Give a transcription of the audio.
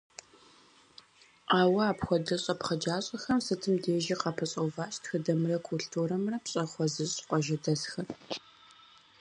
Ауэ апхуэдэ щӀэпхъаджащӀэхэм сытым дежи къапэщӀэуващ тхыдэмрэ культурэмрэ пщӀэ хуэзыщӀ къуажэдэсхэр.